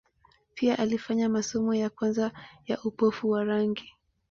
Pia alifanya masomo ya kwanza ya upofu wa rangi.